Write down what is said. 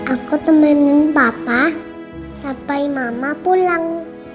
aku temenin bapak sampai mama pulang